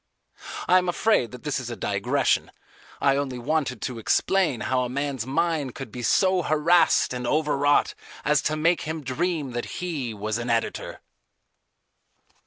I am afraid that this is a digression. I only wanted to explain how a man's mind could be so harassed and overwrought as to make him dream that he was an editor.